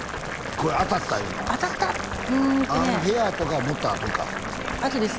これ当たったいうのは当たったうんとね「アンフェア」とかはもっとあとかあとですね